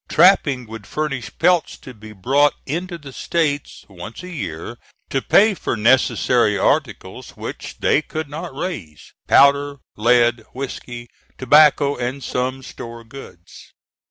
Trapping would furnish pelts to be brought into the States once a year, to pay for necessary articles which they could not raise powder, lead, whiskey, tobacco and some store goods.